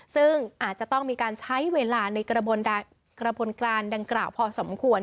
ซึ่งอาจจะต้องมีการใช้เวลาในกระบวนการดังกล่าวพอสมควร